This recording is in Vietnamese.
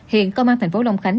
hiện công an thành phố long khánh